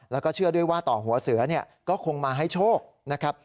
แล้วก็เชื่อด้วยว่าต่อหัวเสือเนี่ยก็คงมาให้โชคนะครับ